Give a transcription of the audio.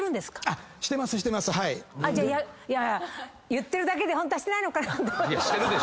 言ってるだけでホントはしてないのかなと。